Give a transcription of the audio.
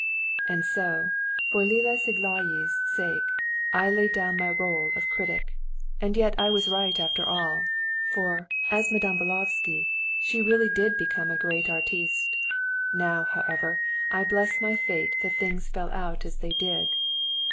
And so, for Lilla Szilágyi's sake, I laid down my rôle of critic, and yet I was right after all, for, as Madame Bulyovszky, she really did become a great artiste. Now, however, I bless my fate that things fell out as they did.